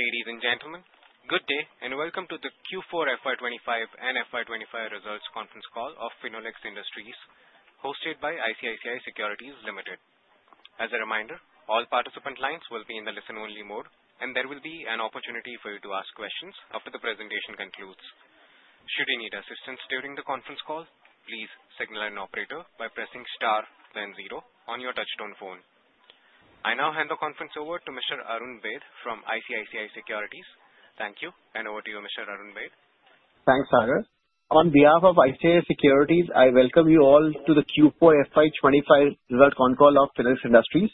Ladies and gentlemen, good day and welcome to the Q4 FY25 and FY26 results conference call of Finolex Industries, hosted by ICICI Securities Limited. As a reminder, all participant lines will be in the listen-only mode, and there will be an opportunity for you to ask questions after the presentation concludes. Should you need assistance during the conference call, please signal an operator by pressing star then zero on your touch-tone phone. I now hand the conference over to Mr. Arun Baid from ICICI Securities. Thank you, and over to you, Mr. Arun Baid. Thanks, Sagar. On behalf of ICICI Securities, I welcome you all to the Q4 FY25 result conference call of Finolex Industries.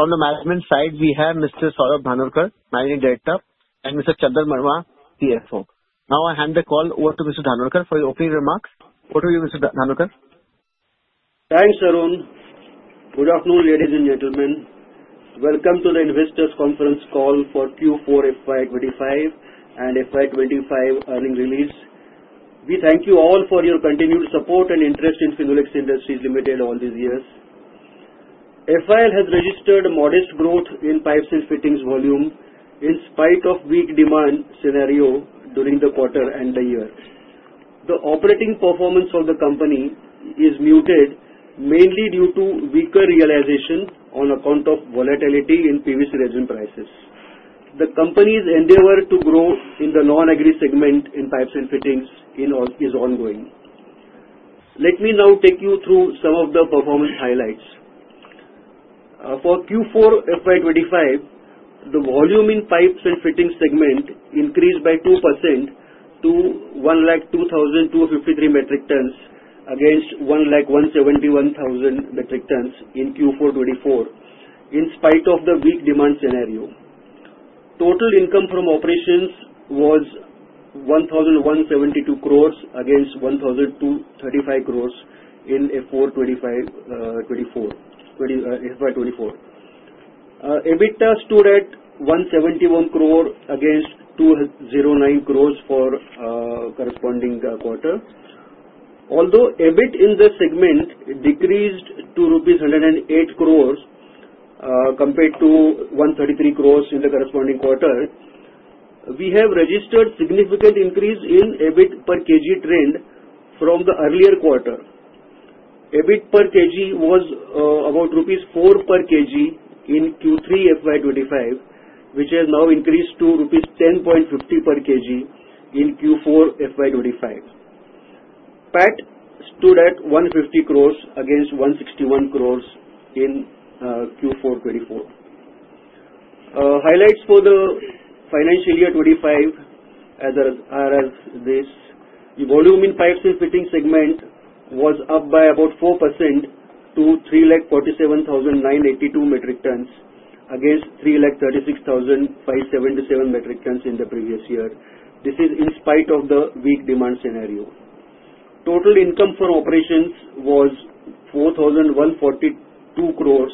From the management side, we have Mr. Saurabh Dhanorkar, Managing Director, and Mr. Chandan Verma, CFO. Now I hand the call over to Mr. Dhanorkar for the opening remarks. Over to you, Mr. Dhanorkar. Thanks, Arun. Good afternoon, ladies and gentlemen. Welcome to the investors' conference call for Q4 FY25 and FY26 earnings release. We thank you all for your continued support and interest in Finolex Industries Limited all these years. Finolex Industries Limited has registered modest growth in pipes and fittings volume in spite of weak demand scenario during the quarter and the year. The operating performance of the company is muted mainly due to weaker realization on account of volatility in PVC resin prices. The company's endeavor to grow in the non-agri segment in pipes and fittings is ongoing. Let me now take you through some of the performance highlights. For Q4 FY25, the volume in pipes and fittings segment increased by 2% to 102,253 metric tons against 101,710 metric tons in Q4 2024, in spite of the weak demand scenario. Total income from operations was 1,172 crore against 1,235 crore in FY24. EBITDA stood at 171 crore against 209 crore for the corresponding quarter. Although EBIT in the segment decreased to rupees 108 crore compared to 133 crore in the corresponding quarter, we have registered a significant increase in EBIT per kg trend from the earlier quarter. EBIT per kg was about rupees 4 per kg in Q3 FY25, which has now increased to rupees 10.50 per kg in Q4 FY25. PAT stood at 150 crore against 161 crore in Q4 2024. Highlights for the financial year 2025 are as this: the volume in pipes and fittings segment was up by about 4% to 347,982 metric tons against 336,577 metric tons in the previous year. This is in spite of the weak demand scenario. Total income from operations was 4,142 crore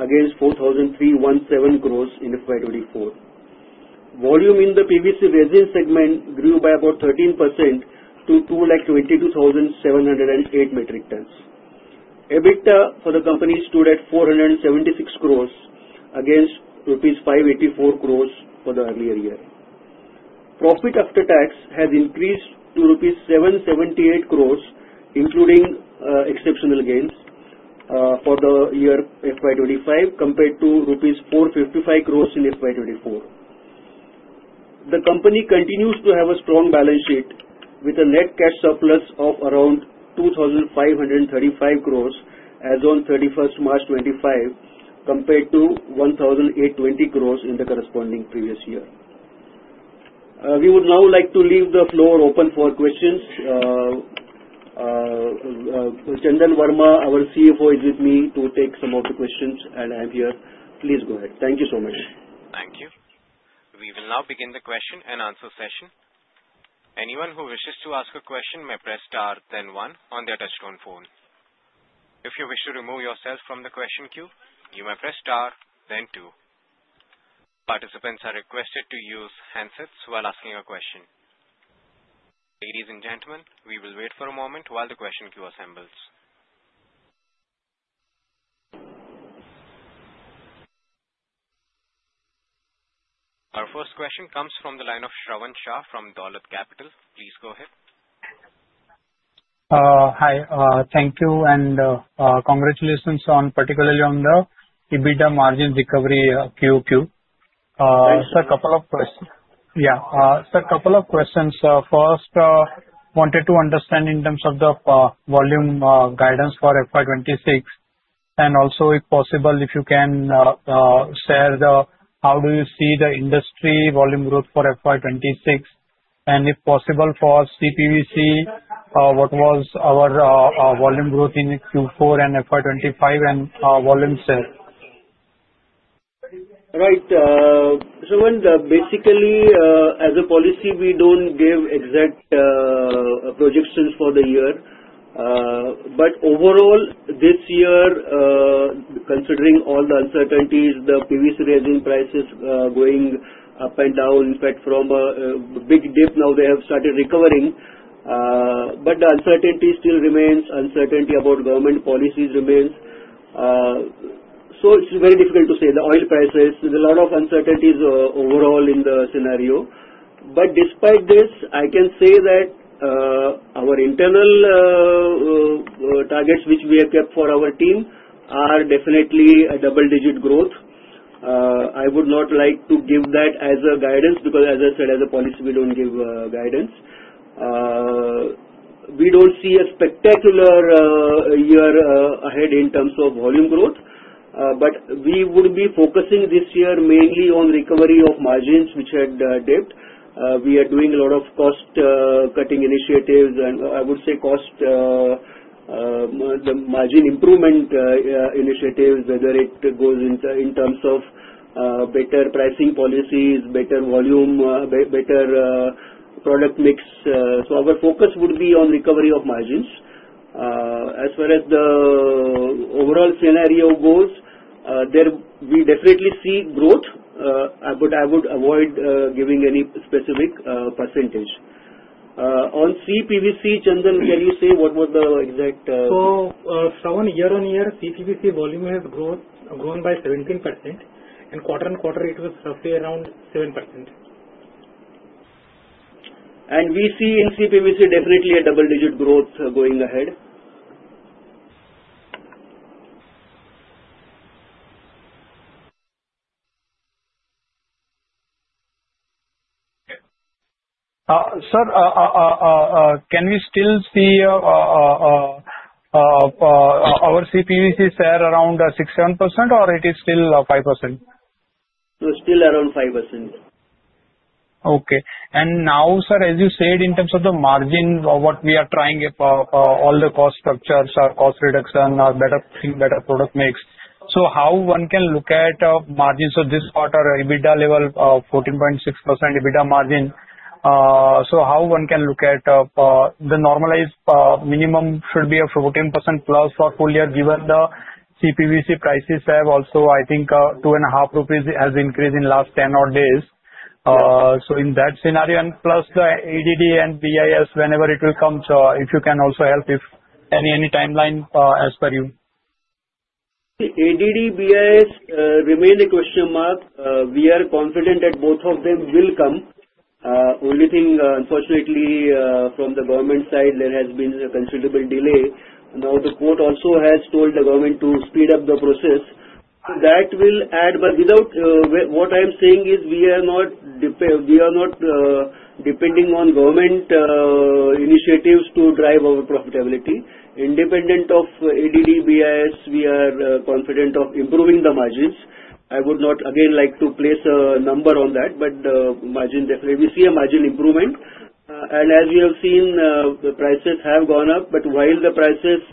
against 4,317 crore in FY24. Volume in the PVC resin segment grew by about 13% to 222,708 metric tons. EBITDA for the company stood at 476 crore against rupees 584 crore for the earlier year. Profit after tax has increased to rupees 778 crore, including exceptional gains, for the year FY25 compared to 455 crore rupees in FY24. The company continues to have a strong balance sheet with a net cash surplus of around 2,535 crore as of 31st March 2025, compared to 1,820 crore in the corresponding previous year. We would now like to leave the floor open for questions. Chandan Verma, our CFO, is with me to take some of the questions, and I am here. Please go ahead. Thank you so much. Thank you. We will now begin the question and answer session. Anyone who wishes to ask a question may press star then one on their touch-tone phone. If you wish to remove yourself from the question queue, you may press star then two. Participants are requested to use handsets while asking a question. Ladies and gentlemen, we will wait for a moment while the question queue assembles. Our first question comes from the line of Shravan Shah from Dolat Capital. Please go ahead. Hi. Thank you, and congratulations particularly on the EBITDA margin recovery QQ. Thanks, sir. Yeah. Sir, a couple of questions. First, I wanted to understand in terms of the volume guidance for FY26, and also, if possible, if you can share how do you see the industry volume growth for FY26, and if possible, for CPVC, what was our volume growth in Q4 and FY25, and volume share? Right. Basically, as a policy, we do not give exact projections for the year. Overall, this year, considering all the uncertainties, the PVC resin prices going up and down, in fact, from a big dip, now they have started recovering. The uncertainty still remains. Uncertainty about government policies remains. It is very difficult to say. The oil prices, there is a lot of uncertainties overall in the scenario. Despite this, I can say that our internal targets, which we have kept for our team, are definitely double-digit growth. I would not like to give that as a guidance because, as I said, as a policy, we do not give guidance. We do not see a spectacular year ahead in terms of volume growth. We would be focusing this year mainly on recovery of margins, which had dipped. We are doing a lot of cost-cutting initiatives, and I would say cost margin improvement initiatives, whether it goes in terms of better pricing policies, better volume, better product mix. Our focus would be on recovery of margins. As far as the overall scenario goes, we definitely see growth, but I would avoid giving any specific %. On CPVC, Chandan, can you say what was the exact? Shravan, year on year, CPVC volume has grown by 17%. In quarter on quarter, it was roughly around 7%. We see in CPVC definitely a double-digit growth going ahead. Sir, can we still see our CPVC share around 6-7%, or is it still 5%? Still around 5%. Okay. Now, sir, as you said, in terms of the margin, what we are trying, all the cost structures are cost reduction or better product mix. How can one look at margins of this quarter? EBITDA level, 14.6% EBITDA margin. How can one look at the normalized minimum, should it be a 14% plus for full year given the CPVC prices have also, I think, 2.5 rupees has increased in the last 10-odd days? In that scenario, plus the ADD and BIS, whenever it will come, if you can also help if any timeline as per you. ADD, BIS remain a question mark. We are confident that both of them will come. Only thing, unfortunately, from the government side, there has been a considerable delay. Now, the court also has told the government to speed up the process. That will add. What I am saying is we are not depending on government initiatives to drive our profitability. Independent of ADD, BIS, we are confident of improving the margins. I would not, again, like to place a number on that, but we see a margin improvement. As we have seen, the prices have gone up. While the prices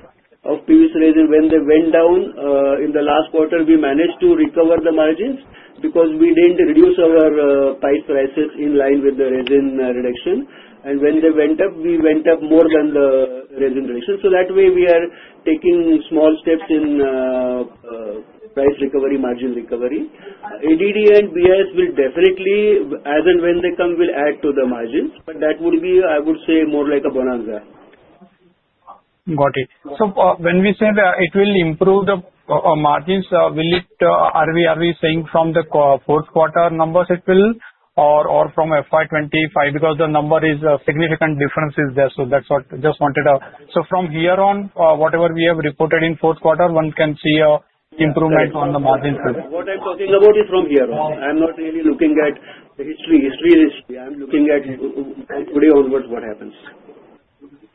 of PVC resin, when they went down in the last quarter, we managed to recover the margins because we did not reduce our pipe prices in line with the resin reduction. When they went up, we went up more than the resin reduction. That way, we are taking small steps in price recovery, margin recovery. ADD and BIS will definitely, as and when they come, will add to the margins. That would be, I would say, more like a bonanza. Got it. When we say it will improve the margins, are we saying from the fourth quarter numbers it will, or from FY25? Because the number is a significant difference is there. That is what I just wanted to ask. From here on, whatever we have reported in fourth quarter, one can see an improvement on the margins. What I'm talking about is from here on. I'm not really looking at the history. History is history. I'm looking at today onwards what happens.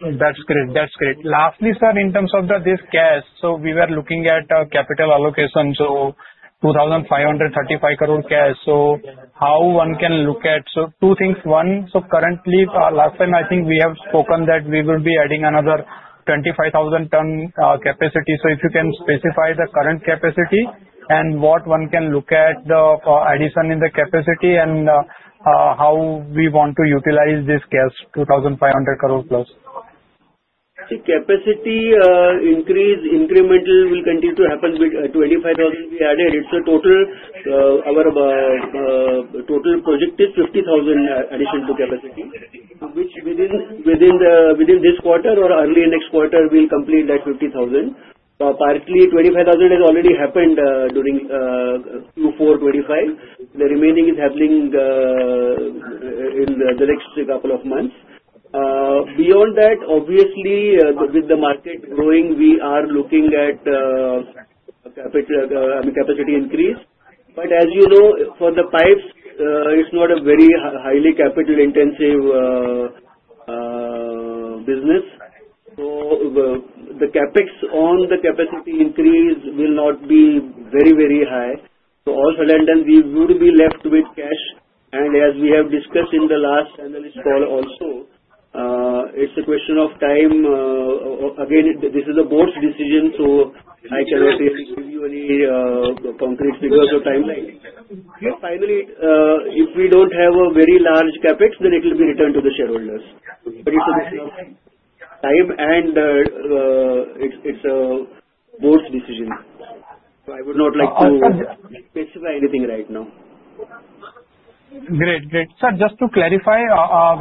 That's great. That's great. Lastly, sir, in terms of this cash, so we were looking at capital allocation. So 2,535 crore cash. How one can look at two things. One, currently, last time, I think we have spoken that we will be adding another 25,000 ton capacity. If you can specify the current capacity and what one can look at the addition in the capacity and how we want to utilize this cash, 2,500 crore plus. The capacity increase incremental will continue to happen with 25,000 we added. It's a total, our total project is 50,000 addition to capacity, which within this quarter or early next quarter, we'll complete that 50,000. Partly, 25,000 has already happened during Q4 2025. The remaining is happening in the next couple of months. Beyond that, obviously, with the market growing, we are looking at capacity increase. As you know, for the pipes, it's not a very highly capital-intensive business. The CapEx on the capacity increase will not be very, very high. All sudden, we would be left with cash. As we have discussed in the last panelist call also, it's a question of time. Again, this is a board's decision, so I cannot really give you any concrete figures or timeline. Finally, if we do not have a very large CapEx, then it will be returned to the shareholders. It is a matter of time and it is a board's decision. I would not like to specify anything right now. Great. Great. Sir, just to clarify,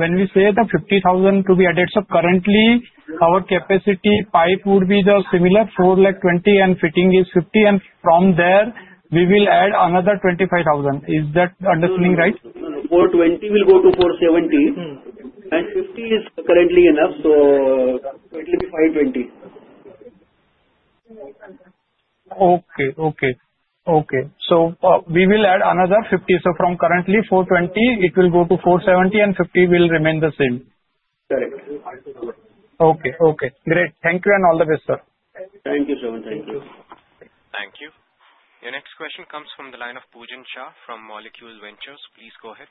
when we say the 50,000 to be added, so currently, our capacity pipe would be the similar 420, and fitting is 50. And from there, we will add another 25,000. Is that understanding right? 420 will go to 470. And 50 is currently enough, so it will be 520. Okay. Okay. Okay. So we will add another 50. So from currently, 420, it will go to 470, and 50 will remain the same. Correct. Okay. Okay. Great. Thank you and all the best, sir. Thank you, Shravan. Thank you. Thank you. Your next question comes from the line of Pujan Shah from Molecule Ventures. Please go ahead.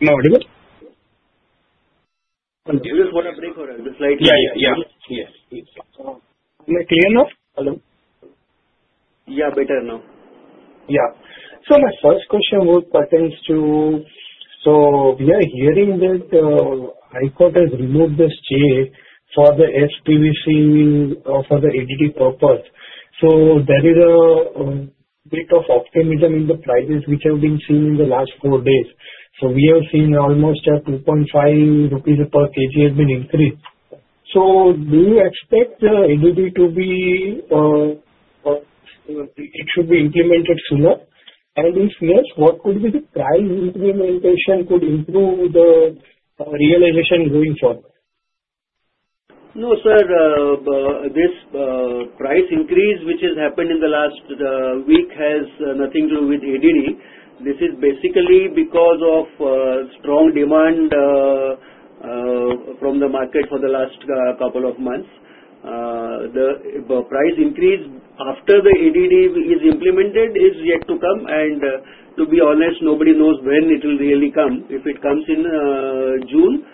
Now, are you good? This is what I'm looking for. Just slightly. Yeah. Yes. Am I clear now? Yeah. Better now. Yeah. My first question would pertain to, we are hearing that the high court has removed the stay for the CPVC for the ADD purpose. There is a bit of optimism in the prices which have been seen in the last four days. We have seen almost 2.5 rupees per kg has been increased. Do you expect the ADD to be, it should be implemented sooner? If yes, what could be the price incrementation, could it improve the realization going forward? No, sir. This price increase, which has happened in the last week, has nothing to do with ADD. This is basically because of strong demand from the market for the last couple of months. The price increase after the ADD is implemented is yet to come. To be honest, nobody knows when it will really come, if it comes in June.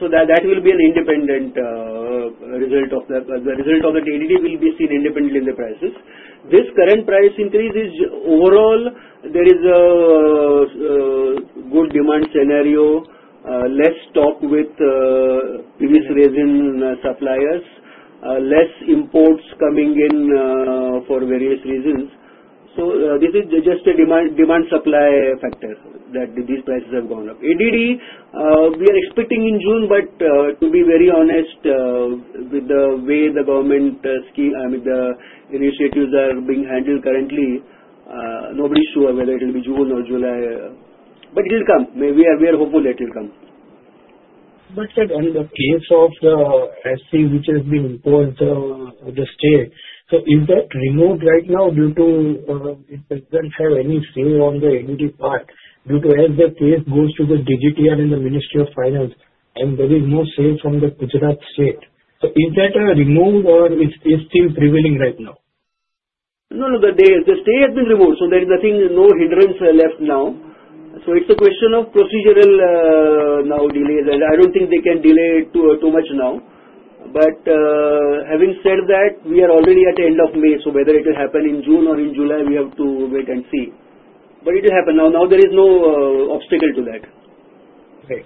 That will be an independent result; the result of the ADD will be seen independently in the prices. This current price increase is overall, there is a good demand scenario, less stock with PVC resin suppliers, less imports coming in for various reasons. This is just a demand-supply factor that these prices have gone up. ADD, we are expecting in June, but to be very honest, with the way the government scheme, I mean, the initiatives are being handled currently, nobody's sure whether it will be June or July. It will come. We are hopeful that it will come. Sir, on the case of the SC, which has been imposed on the state, is that removed right now due to it does not have any say on the ADD part? As the case goes to the DGTR and the Ministry of Finance, and there is no say from the Gujarat state, is that removed or is it still prevailing right now? No, no. The stay has been removed. So there is nothing, no hindrance left now. So it's a question of procedural now delays. I don't think they can delay it too much now. But having said that, we are already at the end of May. So whether it will happen in June or in July, we have to wait and see. But it will happen. Now, there is no obstacle to that. Okay.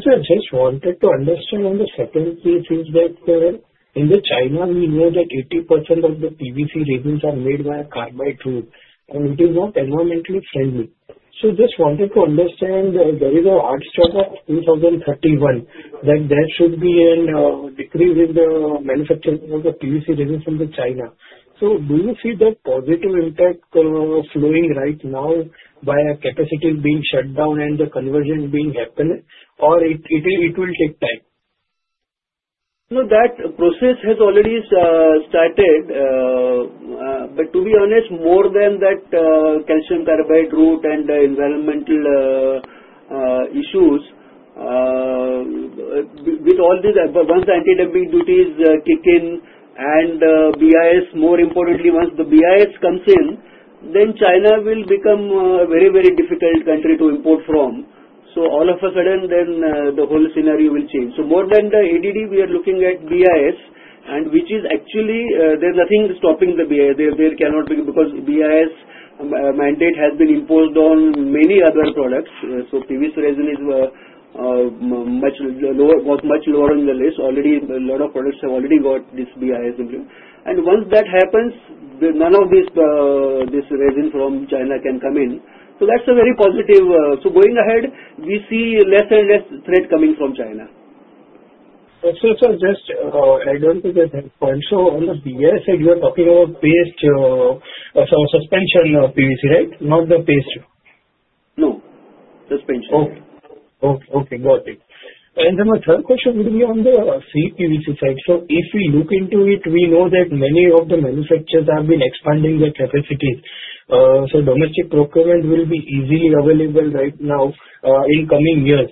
Sir, just wanted to understand on the second piece, in China, we know that 80% of the PVC resins are made by the carbide route, and it is not environmentally friendly. Just wanted to understand, there is a hard start of 2031 that there should be a decrease in the manufacturing of the PVC resins from China. Do you see that positive impact flowing right now by capacity being shut down and the conversion being happened, or will it take time? No, that process has already started. To be honest, more than that calcium carbide route and environmental issues, with all this, once anti-dumping duties kick in and BIS, more importantly, once the BIS comes in, then China will become a very, very difficult country to import from. All of a sudden, the whole scenario will change. More than the ADD, we are looking at BIS, which is actually, there's nothing stopping the BIS. There cannot be, because BIS mandate has been imposed on many other products. PVC resin was much lower on the list. Already, a lot of products have already got this BIS implemented. Once that happens, none of these resins from China can come in. That's a very positive. Going ahead, we see less and less threat coming from China. Sir, just I don't get that point. On the BIS side, you are talking about paste, so suspension PVC, right? Not the paste? No. Suspension. Okay. Okay. Okay. Got it. Then my third question would be on the CPVC side. If we look into it, we know that many of the manufacturers have been expanding their capacities. Domestic procurement will be easily available right now in coming years.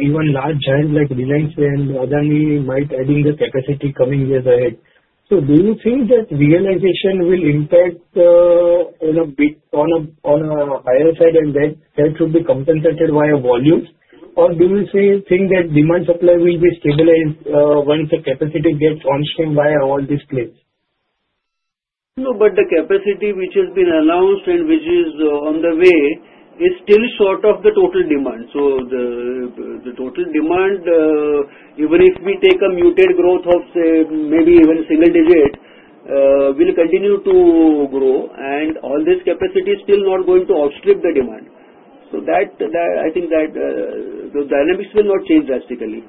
Even large giants like Reliance and Adani might add in the capacity coming years ahead. Do you think that realization will impact on a higher side and that should be compensated via volume, or do you think that demand-supply will be stabilized once the capacity gets on stream via all these places? No, but the capacity which has been announced and which is on the way is still short of the total demand. The total demand, even if we take a muted growth of, say, maybe even single digit, will continue to grow. All this capacity is still not going to outstrip the demand. I think that the dynamics will not change drastically.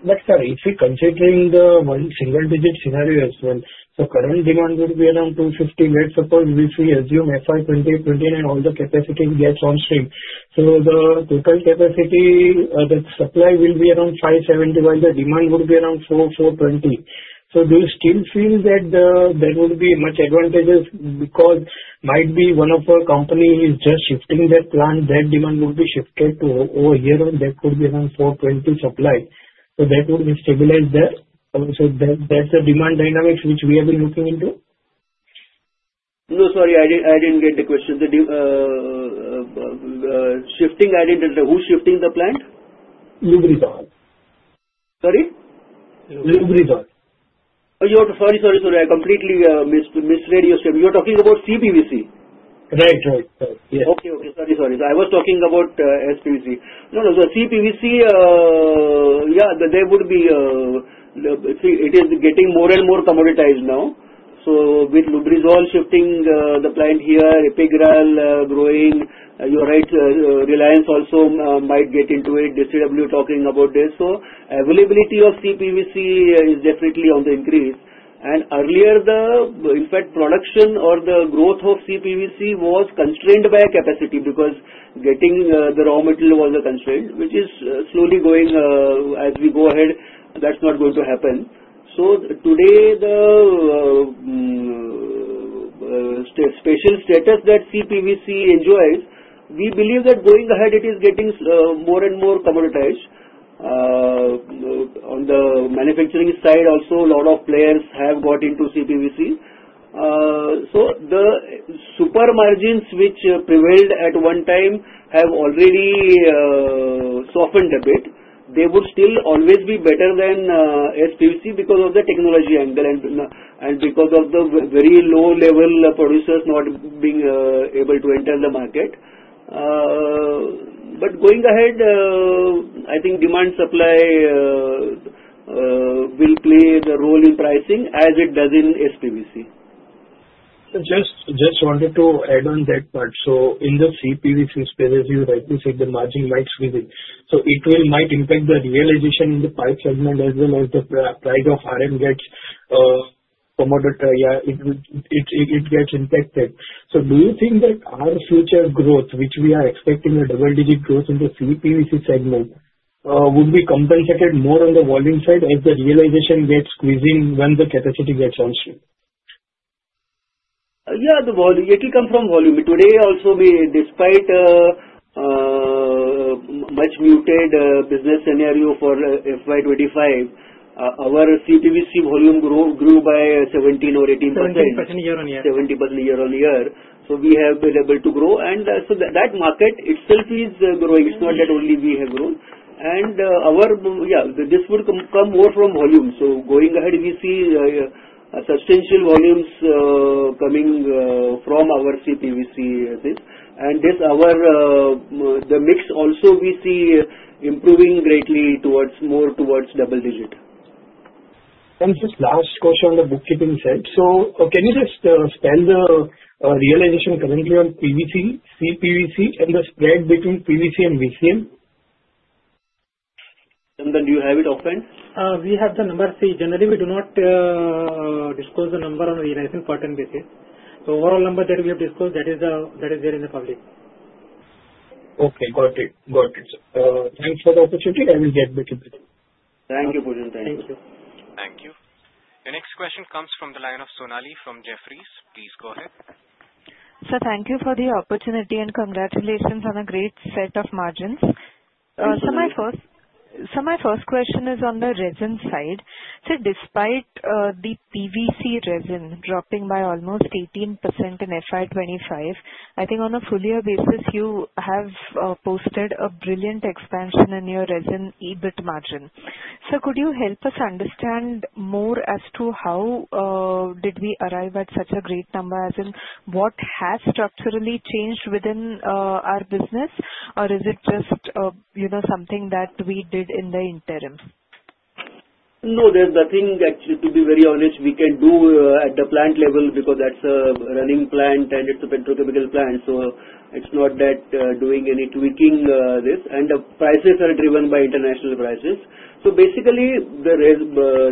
Sir, if we are considering the one single-digit scenario as well, current demand would be around 250. Let's suppose we assume FY2029, all the capacity gets on stream. The total capacity, the supply will be around 570, while the demand would be around 420. Do you still feel that there would be much advantages because maybe one of our companies is just shifting their plant, their demand would be shifted to over a year on, that could be around 420 supply. That would be stabilized there. That's the demand dynamics which we have been looking into? No, sorry. I didn't get the question. Shifting, added, who's shifting the plant? Lubrizol. Sorry? Lubrizol. Sorry, sorry, sorry. I completely misread your statement. You are talking about CPVC. Right, right, right. Yes. Okay, okay. Sorry, sorry. I was talking about SPVC. No, no. CPVC, yeah, there would be, it is getting more and more commoditized now. With Lubrizol shifting the plant here, Astral growing. You're right. Reliance also might get into it. DCW talking about this. Availability of CPVC is definitely on the increase. Earlier, in fact, production or the growth of CPVC was constrained by capacity because getting the raw material was a constraint, which is slowly going as we go ahead, that's not going to happen. Today, the special status that CPVC enjoys, we believe that going ahead, it is getting more and more commoditized. On the manufacturing side also, a lot of players have got into CPVC. The super margins which prevailed at one time have already softened a bit. They would still always be better than SPVC because of the technology angle and because of the very low-level producers not being able to enter the market. Going ahead, I think demand-supply will play the role in pricing as it does in SPVC. Just wanted to add on that part. In the CPVC space, as you rightly said, the margin might squeeze. It might impact the realization in the pipe segment as well as the price of RM gets commoditized. It gets impacted. Do you think that our future growth, which we are expecting a double-digit growth in the CPVC segment, would be compensated more on the volume side as the realization gets squeezing when the capacity gets on stream? Yeah. It will come from volume. Today also, despite a much muted business scenario for FY25, our CPVC volume grew by 17-18%. 17% year on year. 17% year on year. We have been able to grow. That market itself is growing. It's not that only we have grown. Yeah, this would come more from volume. Going ahead, we see substantial volumes coming from our CPVC this. The mix also we see improving greatly towards more towards double-digit. Just last question on the bookkeeping side. Can you just spell the realization currently on PVC, CPVC, and the spread between PVC and VCM? Do you have it offhand? We have the number. See, generally, we do not disclose the number on a realizing part and basis. The overall number that we have disclosed, that is there in the public. Okay. Got it. Got it. Thanks for the opportunity. I will get back to you. Thank you, Pujan. Thank you. Thank you. Your next question comes from the line of Sonali from Jefferies. Please go ahead. Sir, thank you for the opportunity and congratulations on a great set of margins. Thank you. My first question is on the resin side. Sir, despite the PVC resin dropping by almost 18% in FY25, I think on a full-year basis, you have posted a brilliant expansion in your resin EBIT margin. Sir, could you help us understand more as to how did we arrive at such a great number, as in what has structurally changed within our business, or is it just something that we did in the interim? No, there's nothing that, to be very honest, we can do at the plant level because that's a running plant and it's a petrochemical plant. It's not that doing any tweaking this. The prices are driven by international prices. Basically, the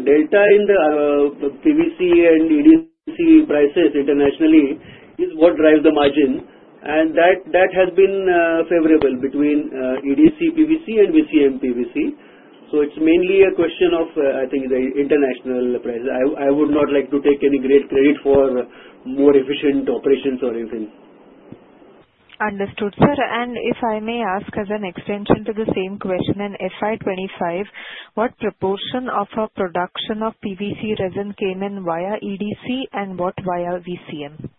delta in the PVC and EDC prices internationally is what drives the margin. That has been favorable between EDC PVC and VCM PVC. It's mainly a question of, I think, the international price. I would not like to take any great credit for more efficient operations or anything. Understood, sir. If I may ask as an extension to the same question, in FY25, what proportion of our production of PVC resin came in via EDC and what via VCM?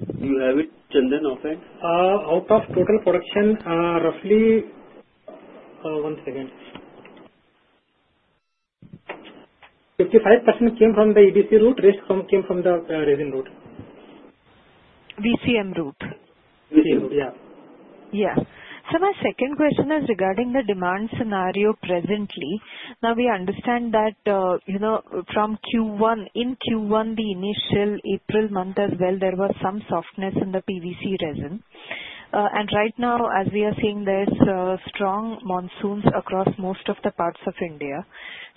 Do you have it, Chandan, offhand? Out of total production, roughly one second. 55% came from the EDC route, rest came from the resin route. VCM route. VCM route, yeah. Yeah. So my second question is regarding the demand scenario presently. Now, we understand that in Q1, the initial April month as well, there was some softness in the PVC resin. Right now, as we are seeing, there are strong monsoons across most of the parts of India,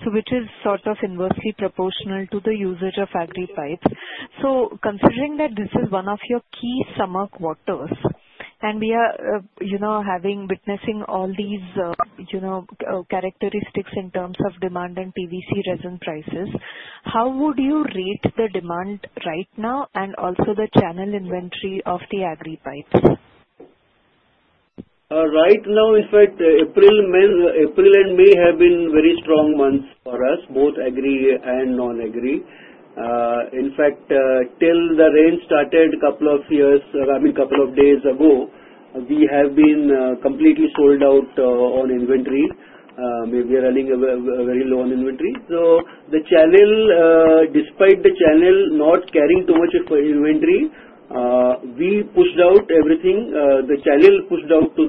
which is sort of inversely proportional to the usage of agri pipes. Considering that this is one of your key summer quarters, and we are witnessing all these characteristics in terms of demand and PVC resin prices, how would you rate the demand right now and also the channel inventory of the agri pipes? Right now, in fact, April and May have been very strong months for us, both agri and non-agri. In fact, till the rain started a couple of days ago, we have been completely sold out on inventory. We are running very low on inventory. So despite the channel not carrying too much inventory, we pushed out everything. The channel pushed out to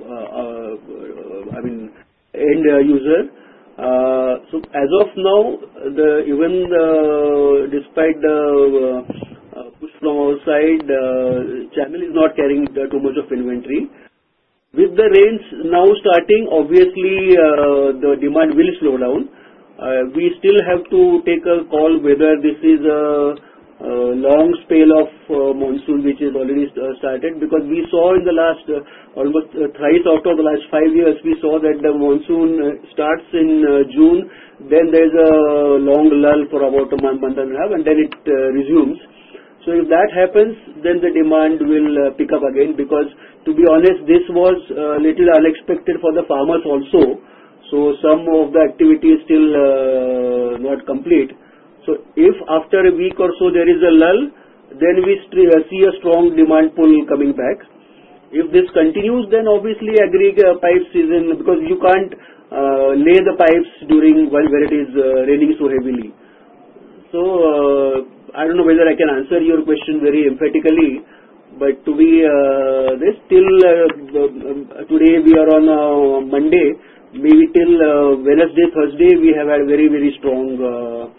the, I mean, end user. As of now, even despite the push from our side, the channel is not carrying too much of inventory. With the rains now starting, obviously, the demand will slow down. We still have to take a call whether this is a long spell of monsoon, which has already started, because we saw in the last almost thrice out of the last five years, we saw that the monsoon starts in June, then there's a long lull for about a month and a half, and then it resumes. If that happens, then the demand will pick up again because, to be honest, this was a little unexpected for the farmers also. Some of the activity is still not complete. If after a week or so there is a lull, then we see a strong demand pull coming back. If this continues, then obviously agri pipes is in because you can't lay the pipes during when it is raining so heavily. I do not know whether I can answer your question very emphatically, but to be this, till today, we are on Monday. Maybe till Wednesday, Thursday, we have had very, very strong demand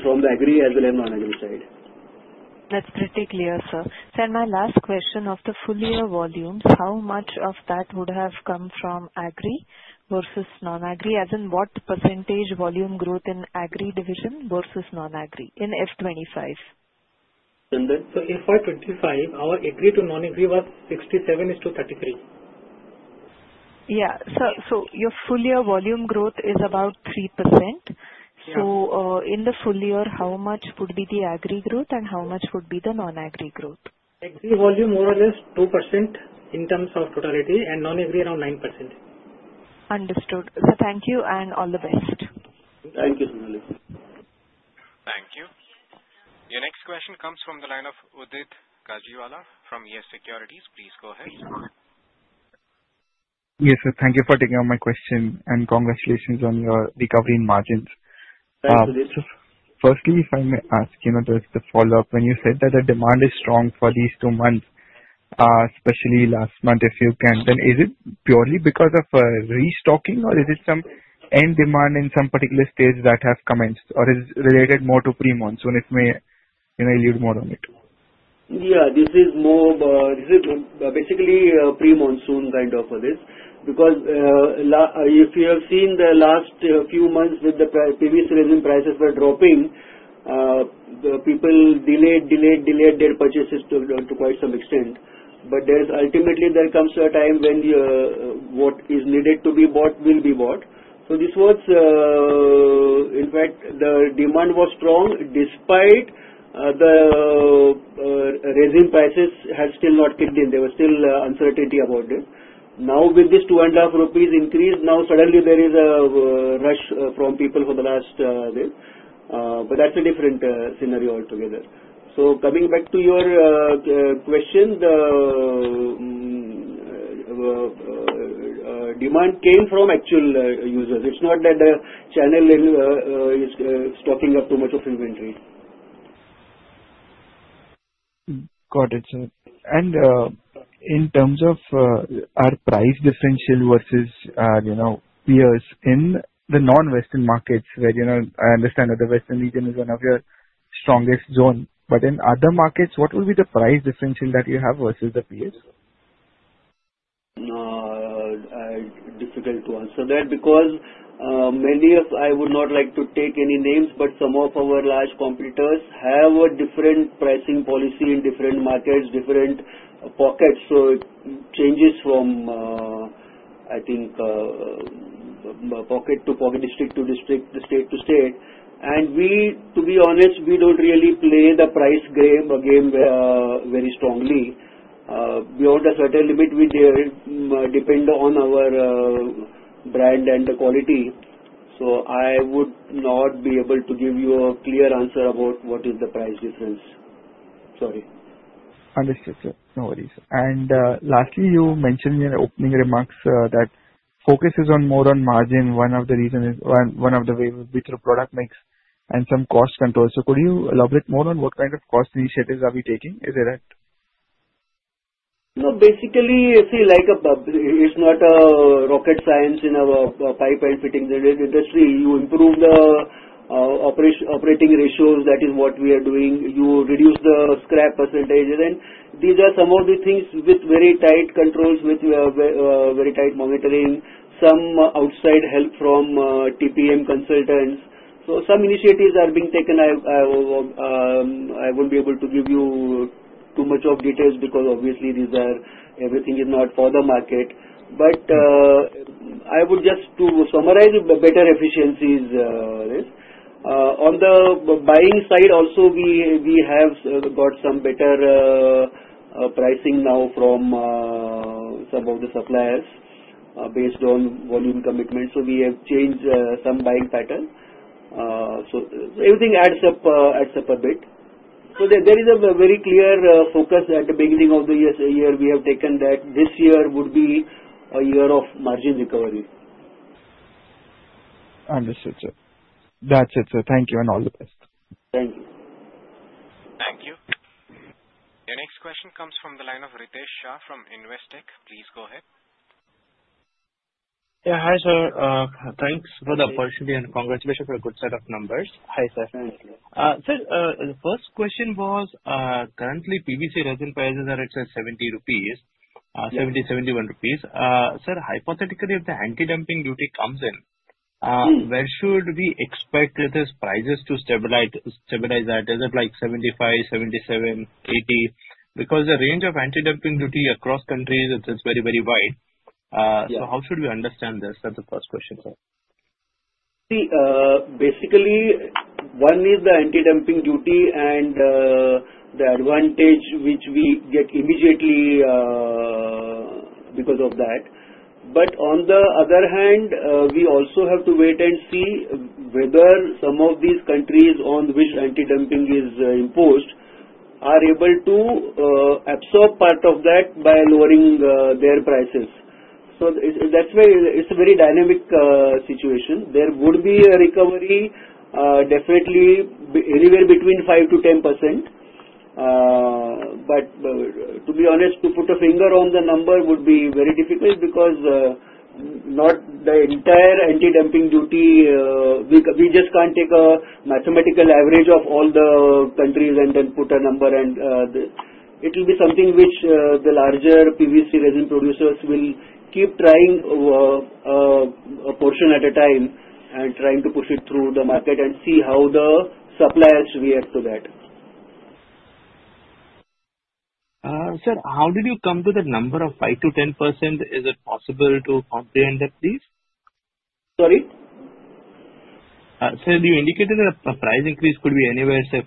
from the agri as well as non-agri side. That's pretty clear, sir. Sir, my last question, of the full-year volumes, how much of that would have come from agri versus non-agri, as in what % volume growth in agri division versus non-agri in FY25? Chandan. So FY25, our agri to non-agri was 67:33. Yeah. So your full-year volume growth is about 3%. In the full year, how much would be the agri growth and how much would be the non-agri growth? Agri volume more or less 2% in terms of totality, and non-agri around 9%. Understood. Sir, thank you and all the best. Thank you, Sonali. Thank you. Your next question comes from the line of Udit Gajiwala from Yes Securities. Please go ahead. Yes, sir. Thank you for taking up my question and congratulations on your recovery in margins. Thank you, Udit. First, if I may ask, just to follow up, when you said that the demand is strong for these two months, especially last month, if you can, then is it purely because of restocking, or is it some end demand in some particular stage that has commenced, or is it related more to pre-monsoon? If I may, you may elude more on it. Yeah. This is more basically pre-monsoon kind of this because if you have seen the last few months with the previous resin prices were dropping, people delayed, delayed, delayed their purchases to quite some extent. Ultimately, there comes a time when what is needed to be bought will be bought. This was, in fact, the demand was strong despite the resin prices had still not kicked in. There was still uncertainty about it. Now, with this 2.5 rupees increase, now suddenly there is a rush from people for the last day. That is a different scenario altogether. Coming back to your question, the demand came from actual users. It's not that the channel is stocking up too much of inventory. Got it, sir. In terms of our price differential versus peers in the non-Western markets, where I understand that the Western region is one of your strongest zones, but in other markets, what would be the price differential that you have versus the peers? Difficult to answer that because many of, I would not like to take any names, but some of our large competitors have a different pricing policy in different markets, different pockets. It changes from, I think, pocket to pocket, district to district, state to state. To be honest, we do not really play the price game very strongly. Beyond a certain limit, we depend on our brand and the quality. I would not be able to give you a clear answer about what is the price difference. Sorry. Understood, sir. No worries. Lastly, you mentioned in your opening remarks that focus is more on margin. One of the reasons is one of the ways which your product makes and some cost controls. Could you elaborate more on what kind of cost initiatives are we taking? Is it that? Basically, see, it's not a rocket science in our pipe and fittings industry. You improve the operating ratios. That is what we are doing. You reduce the scrap percentage. These are some of the things with very tight controls, with very tight monitoring, some outside help from TPM consultants. Some initiatives are being taken. I wouldn't be able to give you too much of details because obviously everything is not for the market. I would just summarize better efficiencies. On the buying side also, we have got some better pricing now from some of the suppliers based on volume commitment. We have changed some buying pattern. Everything adds up a bit. There is a very clear focus at the beginning of the year. We have taken that this year would be a year of margin recovery. Understood, sir. That's it, sir. Thank you and all the best. Thank you. Thank you. Your next question comes from the line of Ritesh Shah from Investech. Please go ahead. Yeah. Hi, sir. Thanks for the opportunity and congratulations for a good set of numbers. Hi, sir. Definitely. Sir, the first question was currently PVC resin prices are at 70 rupees, 70, 71 rupees. Sir, hypothetically, if the anti-dumping duty comes in, where should we expect these prices to stabilize at? Is it like 75, 77, 80? Because the range of anti-dumping duty across countries is very, very wide. So how should we understand this? That's the first question, sir. See, basically, one is the anti-dumping duty and the advantage which we get immediately because of that. On the other hand, we also have to wait and see whether some of these countries on which anti-dumping is imposed are able to absorb part of that by lowering their prices. That is why it is a very dynamic situation. There would be a recovery definitely anywhere between 5%-10%. To be honest, to put a finger on the number would be very difficult because not the entire anti-dumping duty, we just cannot take a mathematical average of all the countries and then put a number. It will be something which the larger PVC resin producers will keep trying a portion at a time and trying to push it through the market and see how the suppliers react to that. Sir, how did you come to the number of 5%-10%? Is it possible to comprehend that, please? Sorry? Sir, you indicated that a price increase could be anywhere, say, 5%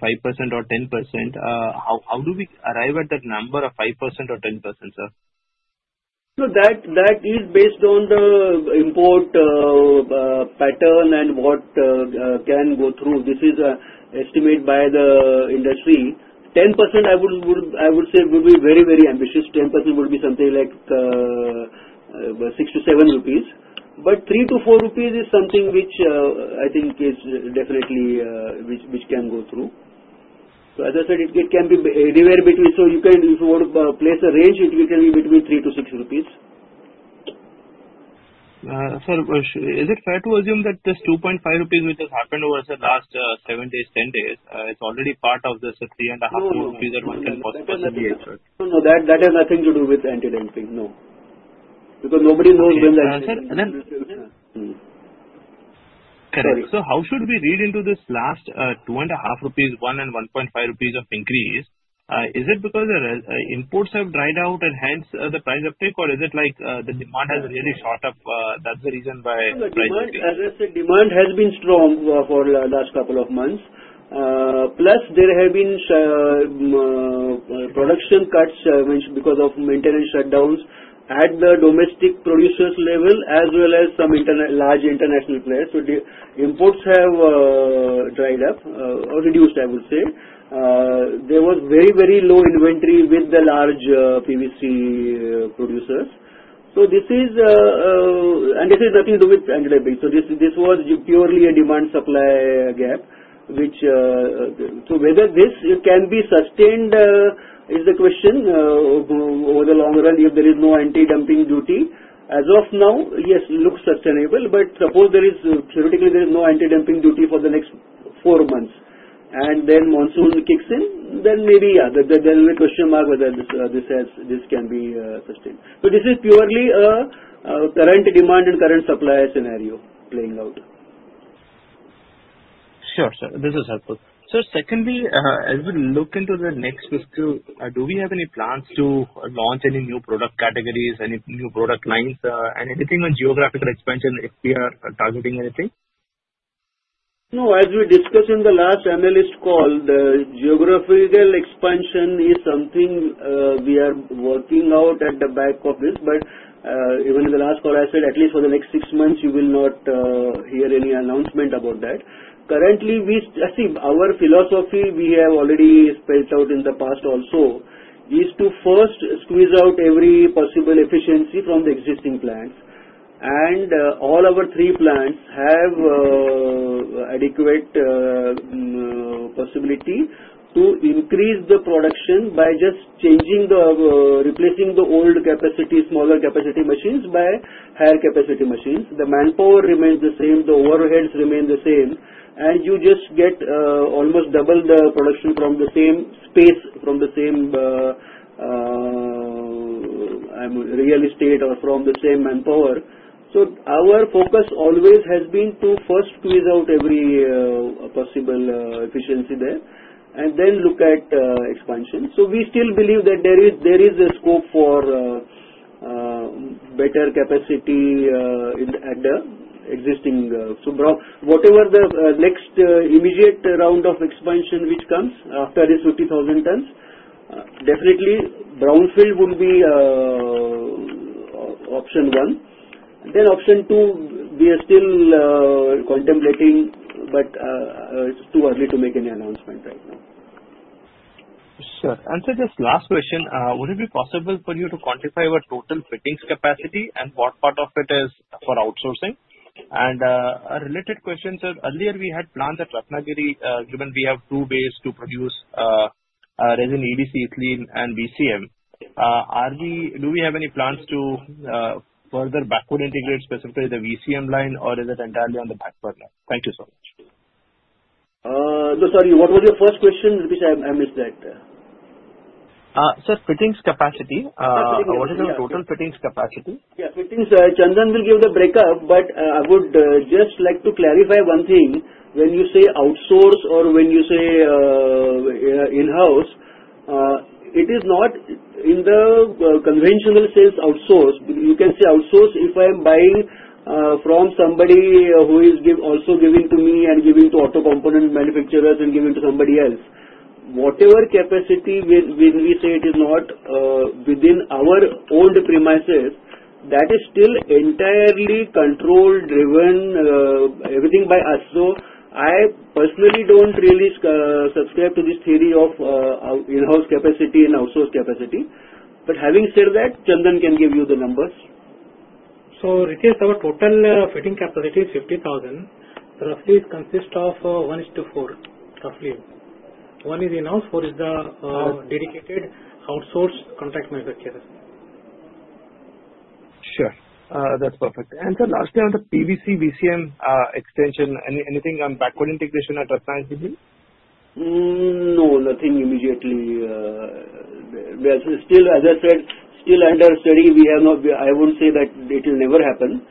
or 10%. How do we arrive at that number of 5% or 10%, sir? That is based on the import pattern and what can go through. This is estimated by the industry. 10% I would say would be very, very ambitious. 10% would be something like 6-7 rupees. But 3-4 rupees is something which I think is definitely which can go through. As I said, it can be anywhere between. If you want to place a range, it can be between 3-6 rupees. Sir, is it fair to assume that this 2.5 rupees, which has happened over the last seven days, ten days, is already part of this 3.5 rupees that one can possibly assume? No, no, no. That has nothing to do with anti-dumping, no. Because nobody knows when that. Sir, and then. Sorry. Correct. So how should we read into this last 2.5 rupees, rupees 1, and 1.5 rupees of increase? Is it because imports have dried out and hence the price uptake, or is it like the demand has really shot up? That's the reason why price has gone up. The demand has been strong for the last couple of months. Plus, there have been production cuts because of maintenance shutdowns at the domestic producers' level as well as some large international players. Imports have dried up or reduced, I would say. There was very, very low inventory with the large PVC producers. This has nothing to do with anti-dumping. This was purely a demand-supply gap, which, whether this can be sustained is the question over the long run if there is no anti-dumping duty. As of now, yes, it looks sustainable, but suppose theoretically there is no anti-dumping duty for the next four months, and then monsoon kicks in, then maybe there will be a question mark whether this can be sustained. This is purely a current demand and current supply scenario playing out. Sure, sir. This is helpful. Sir, secondly, as we look into the next fiscal, do we have any plans to launch any new product categories, any new product lines, and anything on geographical expansion if we are targeting anything? No, as we discussed in the last analyst call, the geographical expansion is something we are working out at the back of it. Even in the last call, I said, at least for the next six months, you will not hear any announcement about that. Currently, our philosophy, we have already spelled out in the past also, is to first squeeze out every possible efficiency from the existing plants. All our three plants have adequate possibility to increase the production by just changing the replacing the old capacity, smaller capacity machines by higher capacity machines. The manpower remains the same. The overheads remain the same. You just get almost double the production from the same space, from the same real estate or from the same manpower. Our focus always has been to first squeeze out every possible efficiency there and then look at expansion. We still believe that there is a scope for better capacity at the existing. Whatever the next immediate round of expansion which comes after this 50,000 tons, definitely brownfield would be option one. Option two, we are still contemplating, but it's too early to make any announcement right now. Sir, and so just last question, would it be possible for you to quantify your total fittings capacity and what part of it is for outsourcing? A related question, sir, earlier we had planned that Ratnagiri, given we have two ways to produce resin, EDC, ethylene, and VCM, do we have any plans to further backward integrate specifically the VCM line, or is it entirely on the backward line? Thank you so much. No, sorry. What was your first question? I missed that. Sir, fittings capacity. What is your total fittings capacity? Yeah. Chandan will give the breakup, but I would just like to clarify one thing. When you say outsource or when you say in-house, it is not in the conventional sales outsource. You can say outsource if I'm buying from somebody who is also giving to me and giving to auto component manufacturers and giving to somebody else. Whatever capacity, when we say it is not within our own premises, that is still entirely controlled, driven, everything by us. I personally do not really subscribe to this theory of in-house capacity and outsource capacity. Having said that, Chandan can give you the numbers. Ritesh, our total fitting capacity is 50,000. Roughly, it consists of 1:4, roughly. One is in-house, four is the dedicated outsource contract manufacturers. Sure. That's perfect. Sir, lastly, on the PVC VCM extension, anything on backward integration at Ratnagiri? No, nothing immediately. As I said, still under study, we have not, I won't say that it will never happen.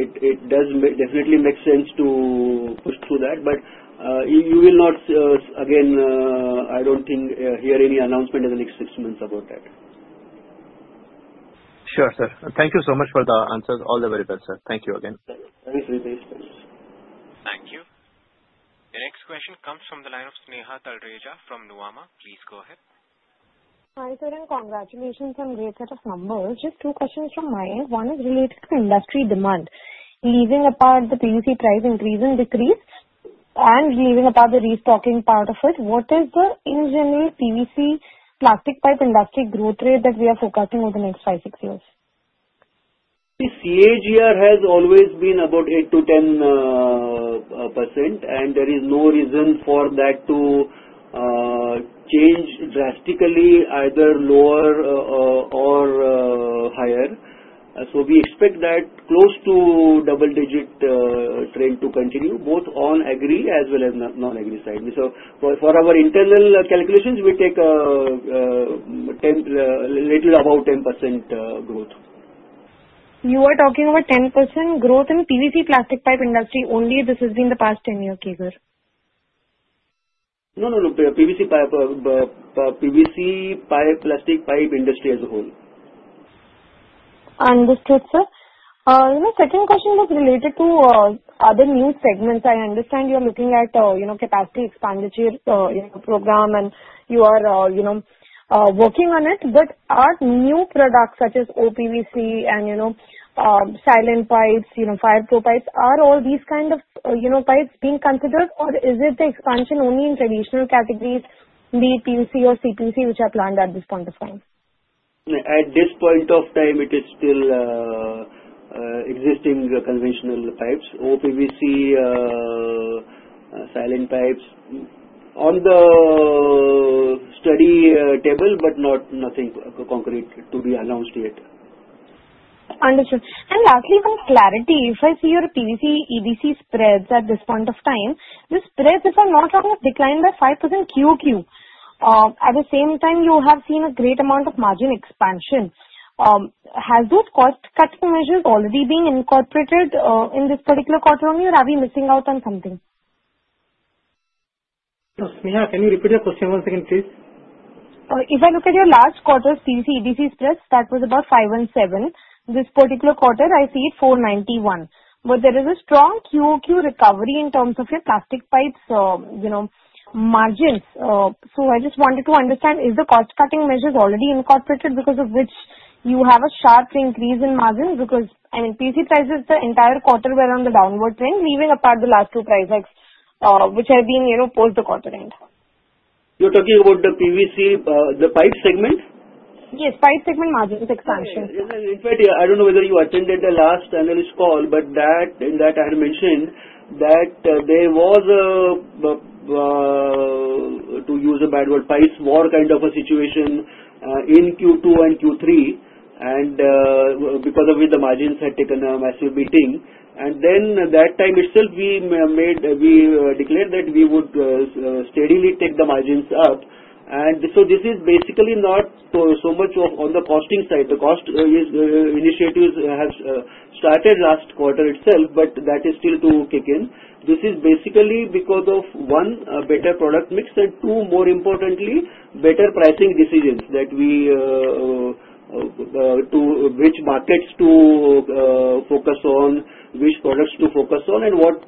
It does definitely make sense to push through that. You will not, again, I don't think, hear any announcement in the next six months about that. Sure, sir. Thank you so much for the answers. All the very best, sir. Thank you again. Thanks, Ritesh. Thanks. Thank you. Your next question comes from the line of Sneha Talreja from Nuvama. Please go ahead. Hi, Chandan. Congratulations on a great set of numbers. Just two questions from my end. One is related to industry demand. Leaving apart the PVC price increase and decrease and leaving apart the restocking part of it, what is the in-general PVC plastic pipe industry growth rate that we are forecasting over the next five, six years? See, CAGR has always been about 8-10%, and there is no reason for that to change drastically, either lower or higher. We expect that close to double-digit trend to continue, both on aggregate as well as non-aggregate side. For our internal calculations, we take a little above 10% growth. You were talking about 10% growth in PVC plastic pipe industry only. This has been the past 10 years, Kever. No, no, no. PVC pipe, plastic pipe industry as a whole. Understood, sir. Second question was related to other new segments. I understand you're looking at capacity expenditure program, and you are working on it. Are new products such as OPVC and silent pipes, fireproof pipes, are all these kinds of pipes being considered, or is it the expansion only in traditional categories, be it PVC or CPVC, which are planned at this point of time? At this point of time, it is still existing conventional pipes, OPVC, silent pipes on the study table, but nothing concrete to be announced yet. Understood. Lastly, for clarity, if I see your PVC EDC spreads at this point of time, the spreads are not only declined by 5% quarter-on-quarter. At the same time, you have seen a great amount of margin expansion. Have those cost-cutting measures already been incorporated in this particular quarter only, or are we missing out on something? Sneha, can you repeat your question once again, please? If I look at your last quarter's PVC EDC spreads, that was about 517. This particular quarter, I see it 491. There is a strong QOQ recovery in terms of your plastic pipes margins. I just wanted to understand, is the cost-cutting measures already incorporated because of which you have a sharp increase in margins? I mean, PVC prices the entire quarter were on the downward trend, leaving apart the last two price hikes which have been post the quarter end. You're talking about the PVC, the pipe segment? Yes, pipe segment margins expansion. In fact, I don't know whether you attended the last analyst call, but in that, I had mentioned that there was, to use a bad word, price war kind of a situation in Q2 and Q3 because of which the margins had taken a massive beating. At that time itself, we declared that we would steadily take the margins up. This is basically not so much on the costing side. The cost initiatives have started last quarter itself, but that is still to kick in. This is basically because of, one, better product mix, and two, more importantly, better pricing decisions that we, to which markets to focus on, which products to focus on, and what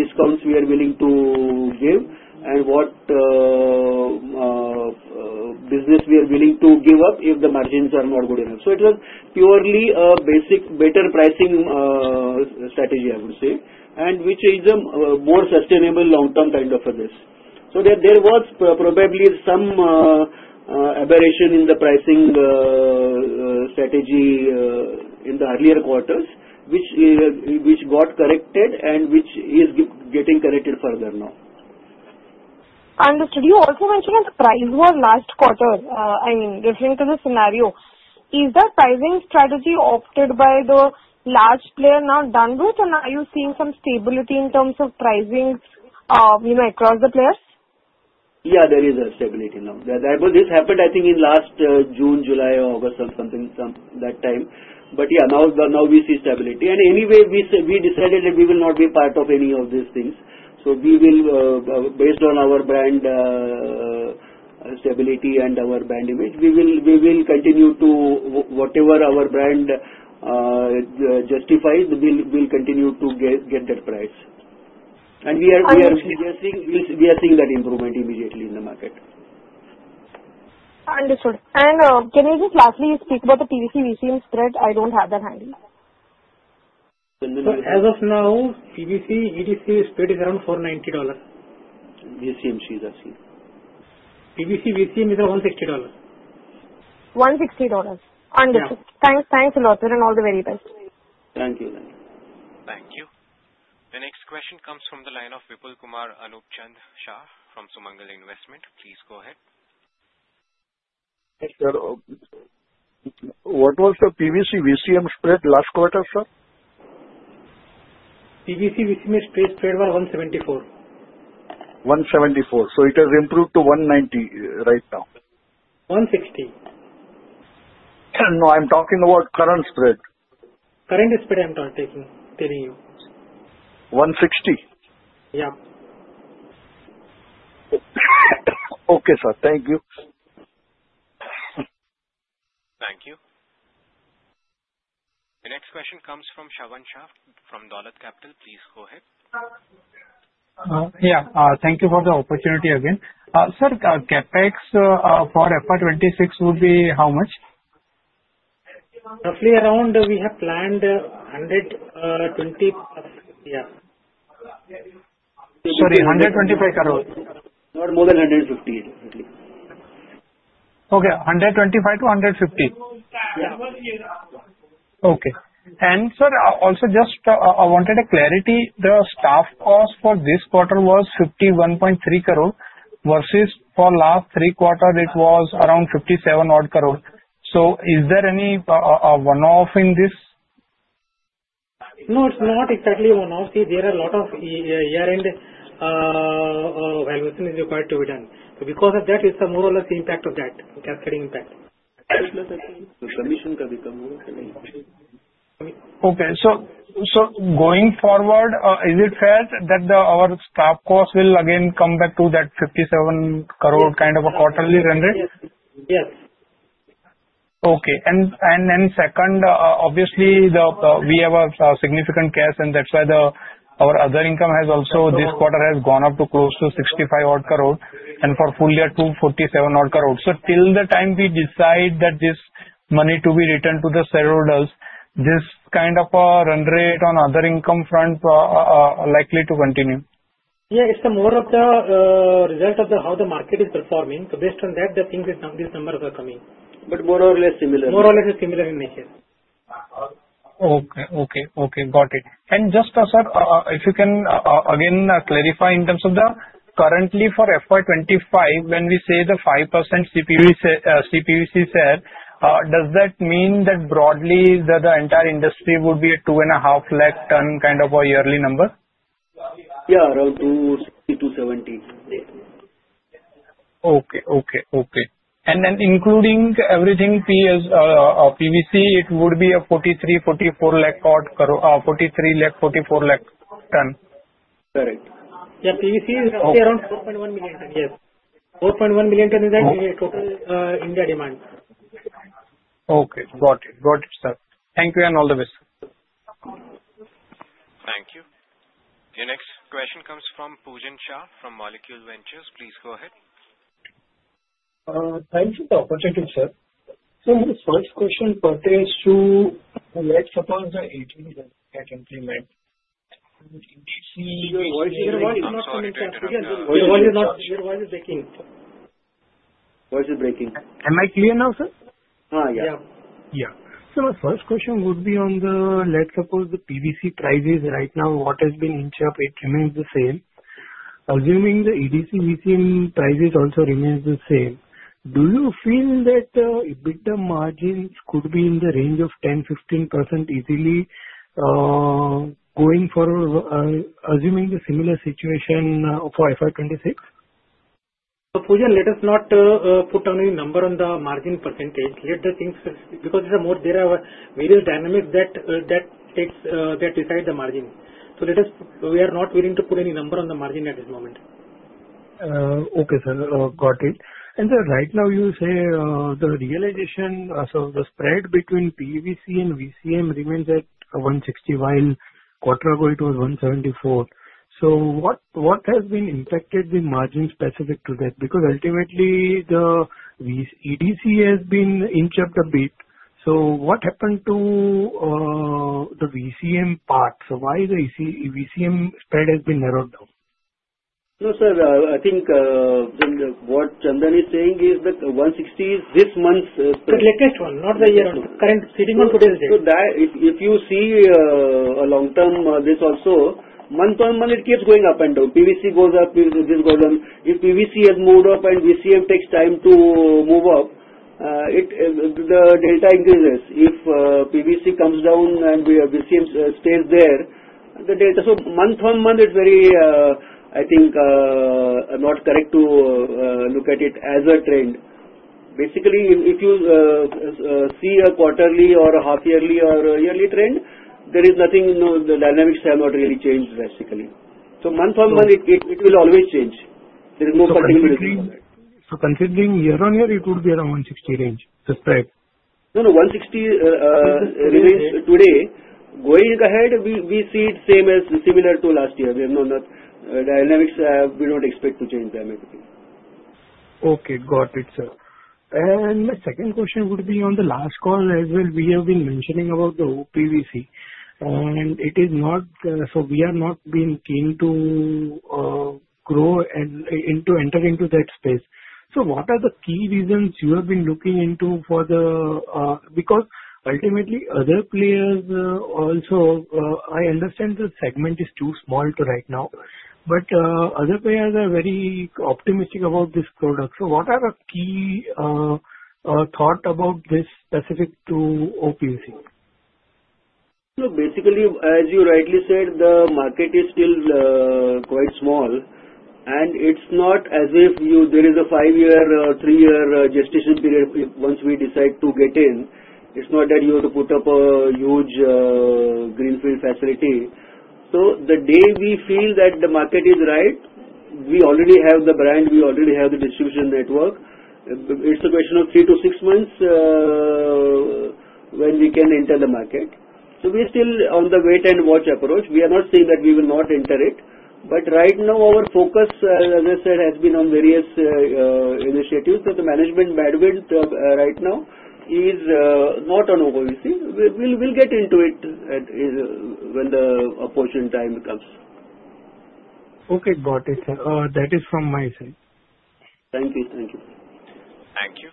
discounts we are willing to give, and what business we are willing to give up if the margins are not good enough. It was purely a basic better pricing strategy, I would say, which is a more sustainable long-term kind of a this. There was probably some aberration in the pricing strategy in the earlier quarters, which got corrected and which is getting corrected further now. Understood. You also mentioned that the price war last quarter, I mean, referring to the scenario. Is that pricing strategy opted by the large player now done with, and are you seeing some stability in terms of pricing across the players? Yeah, there is a stability now. This happened, I think, in last June, July, August, something that time. Yeah, now we see stability. Anyway, we decided that we will not be part of any of these things. Based on our brand stability and our brand image, we will continue to whatever our brand justifies, we'll continue to get that price. We are seeing that improvement immediately in the market. Understood. Can you just lastly speak about the PVC VCM spread? I don't have that handy. As of now, PVC EDC spread is around $490. VCM shares are seen. PVC VCM is around $60. $160. Understood. Thanks a lot, sir, and all the very best. Thank you. Thank you. The next question comes from the line of Vipulkumar Anupchand Shah from Sumangal Investment. Please go ahead. Hey, sir. What was the PVC VCM spread last quarter, sir? PVC VCM spread was 174. 174. So it has improved to 190 right now? 160. No, I'm talking about current spread. Current spread I'm taking, telling you. 160? Yeah. Okay, sir. Thank you. Thank you. The next question comes from Shravan Shah from Dolat Capital. Please go ahead. Yeah. Thank you for the opportunity again. Sir, CapEx for FY26 would be how much? Roughly around we have planned 120 plus. Yeah. Sorry, 125,000. Not more than 150. Okay. 125-150. Yeah. Okay. Sir, also just I wanted a clarity. The staff cost for this quarter was 51.3 crore versus for last three quarters, it was around 57 crore. Is there any one-off in this? No, it's not exactly one-off. There are a lot of year-end valuation is required to be done. So because of that, it's more or less the impact of that, cascading impact. Submission can be done more. Okay. So going forward, is it fair that our staff cost will again come back to that 57 crore kind of a quarterly render? Yes. Okay. Second, obviously, we have significant cash, and that's why our other income has also this quarter gone up to close to 65 crore and for the full year 247 crore. Till the time we decide that this money is to be returned to the shareholders, this kind of a run rate on the other income front is likely to continue? Yeah. It's more of the result of how the market is performing. Based on that, these numbers are coming. More or less similar. More or less similar in nature. Okay. Okay. Okay. Got it. Just, sir, if you can again clarify in terms of the currently for FY25, when we say the 5% CPVC share, does that mean that broadly the entire industry would be a 250,000 ton kind of a yearly number? Yeah. Around 260-270. Okay. Okay. Okay. Including everything PVC, it would be a 43-44 lakh ton. Correct. Yeah. PVC is around 4.1 million ton. Yes. 4.1 million ton is the total India demand. Okay. Got it. Got it, sir. Thank you and all the best. Thank you. Your next question comes from Pujan Shah from Molecule Ventures. Please go ahead. Thank you for the opportunity, sir. My first question pertains to, let's suppose, the 18% increment. Your voice is not coming through. Your voice is breaking. Voice is breaking. Am I clear now, sir? Yeah. Yeah. Yeah. So my first question would be on the, let's suppose the PVC prices right now, what has been in check, it remains the same. Assuming the EDC VCM prices also remain the same, do you feel that EBITDA margins could be in the range of 10-15% easily going forward, assuming the similar situation for FY26? Pujan, let us not put any number on the margin percentage. Let the things, because there are various dynamics that decide the margin. We are not willing to put any number on the margin at this moment. Okay, sir. Got it. Sir, right now you say the realization, so the spread between PVC and VCM remains at 160 while a quarter ago it was 174. What has impacted the margin specific to that? Because ultimately, the EDC has been in chap a bit. What happened to the VCM part? Why has the VCM spread narrowed down? No, sir. I think what Chandan is saying is that 160 is this month's. The latest one. Not the year-end. Current sitting on today's date. If you see long-term, this also, month on month, it keeps going up and down. PVC goes up, this goes down. If PVC has moved up and VCM takes time to move up, the data increases. If PVC comes down and VCM stays there, the data. Month on month, it's very, I think, not correct to look at it as a trend. Basically, if you see a quarterly or a half-yearly or yearly trend, there is nothing. The dynamics have not really changed drastically. Month on month, it will always change. There is no particular reason for that. Considering year-on-year, it would be around 160 range, the spread. No, no. 160 remains today. Going ahead, we see it same as similar to last year. We have no dynamics. We don't expect to change dynamics. Okay. Got it, sir. My second question would be on the last call as well. We have been mentioning about the OPVC, and it is not, so we are not being keen to enter into that space. What are the key reasons you have been looking into for the, because ultimately, other players also, I understand the segment is too small right now, but other players are very optimistic about this product. What are the key thoughts about this specific to OPVC? Basically, as you rightly said, the market is still quite small, and it's not as if there is a five-year or three-year gestation period once we decide to get in. It's not that you have to put up a huge greenfield facility. The day we feel that the market is right, we already have the brand. We already have the distribution network. It's a question of three to six months when we can enter the market. We are still on the wait-and-watch approach. We are not saying that we will not enter it. Right now, our focus, as I said, has been on various initiatives. The management bandwidth right now is not on OPVC. We'll get into it when the opportune time comes. Okay. Got it, sir. That is from my side. Thank you. Thank you. Thank you.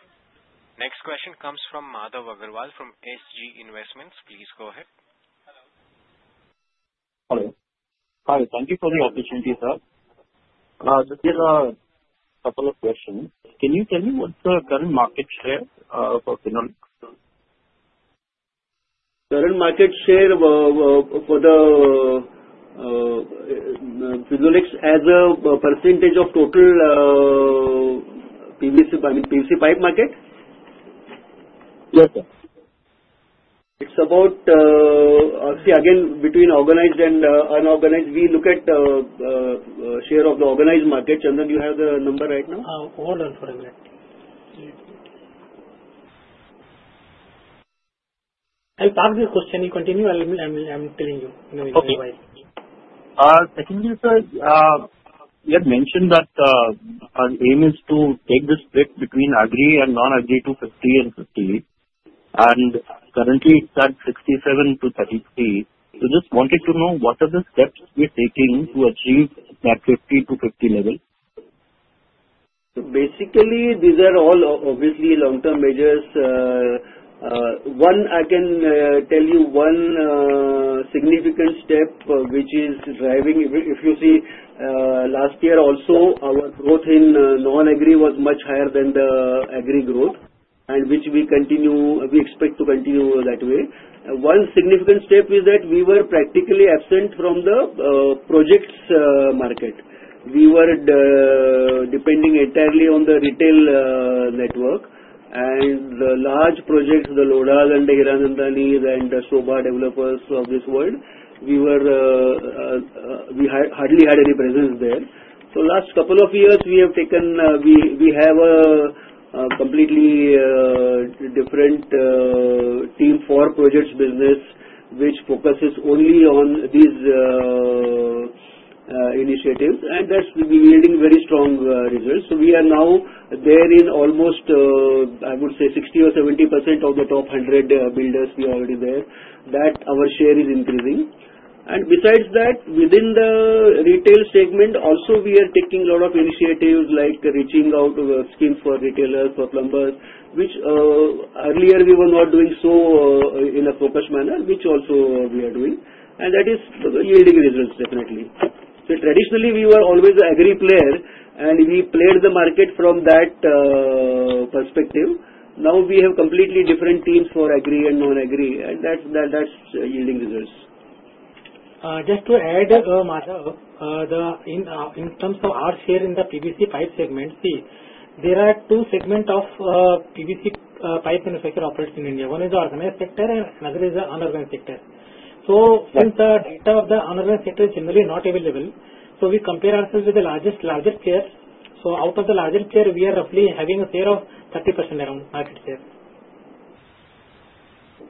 Next question comes from Madhav Agarwal from SG Investments. Please go ahead. Hello. Hello. Hi. Thank you for the opportunity, sir. Just a couple of questions. Can you tell me what's the current market share for Finolex? Current market share for the Finolex as a percentage of total PVC, I mean PVC pipe market? Yes, sir. It's about, again, between organized and unorganized, we look at the share of the organized market. Chandan, you have the number right now? Hold on for a minute. I'll pass this question. You continue. I'm telling you in a while. Secondly, sir, you had mentioned that our aim is to take the split between agri and non-agri to 50 and 50. And currently, it's at 67 to 33. We just wanted to know what are the steps we're taking to achieve that 50 to 50 level? Basically, these are all obviously long-term measures. One, I can tell you one significant step which is driving. If you see, last year also, our growth in non-agri was much higher than the agri growth, and we expect to continue that way. One significant step is that we were practically absent from the projects market. We were depending entirely on the retail network and the large projects, the Lodha and the Hiranandani and the Sobha developers of this world. We hardly had any presence there. In the last couple of years, we have taken, we have a completely different team for projects business, which focuses only on these initiatives, and that's been yielding very strong results. We are now there in almost, I would say, 60% or 70% of the top 100 builders we are already there. Our share is increasing. Besides that, within the retail segment, also we are taking a lot of initiatives like reaching out to the schemes for retailers, for plumbers, which earlier we were not doing so in a focused manner, which also we are doing. That is yielding results, definitely. Traditionally, we were always the agri player, and we played the market from that perspective. Now we have completely different teams for agri and non-agri, and that's yielding results. Just to add, Madhav, in terms of our share in the PVC pipe segment, see, there are two segments of PVC pipe manufacturer operates in India. One is the organized sector, and another is the unorganized sector. Since the data of the unorganized sector is generally not available, we compare ourselves with the largest players. Out of the largest players, we are roughly having a share of 30% around market share.